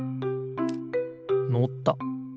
のった。